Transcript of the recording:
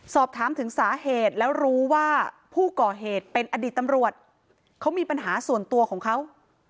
สอบถามถึงสาเหตุแล้วรู้ว่าผู้ก่อเหตุเป็นอดีตตำรวจเขามีปัญหาส่วนตัวของเขา